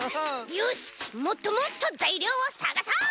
よしもっともっとざいりょうをさがそう。